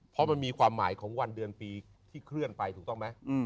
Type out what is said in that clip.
เพราะมันมีความหมายของวันเดือนปีที่เคลื่อนไปถูกต้องไหม